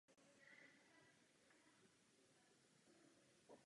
I proto byla hudba ve hrách spíše ještě raritou.